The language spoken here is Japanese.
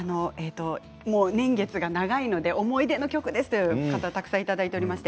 年月が長いので思い出の曲ですという方たくさんいただいています。